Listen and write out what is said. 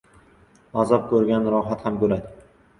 • Azob ko‘rgan rohat ham ko‘radi.